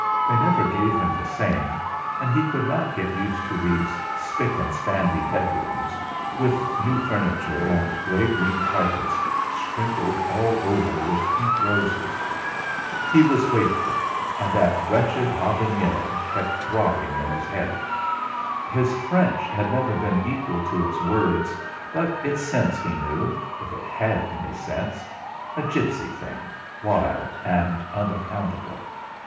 They never gave him the same, and he could not get used to these 'spick and spandy' bedrooms with new furniture and grey green carpets sprinkled all over with pink roses. He was wakeful and that wretched Habanera kept throbbing in his head. His French had never been equal to its words, but its sense he knew, if it had any sense, a gipsy thing wild and unaccountable.